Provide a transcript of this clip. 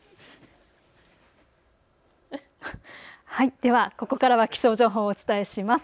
ではここからは気象情報をお伝えします。